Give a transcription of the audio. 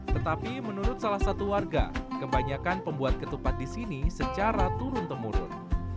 tetapi menurut salah satu warga kebanyakan pembuat ketupat di sini secara turun temurun